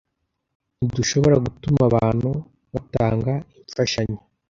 Ntidushobora gutuma abantu batanga imfashanyo.